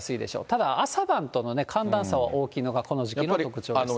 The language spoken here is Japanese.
ただ朝晩との寒暖差は大きいのがこの時期の特徴ですね。